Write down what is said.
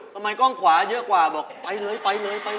ทำไมกล้องขวาเยอะกว่าบอกไปเลย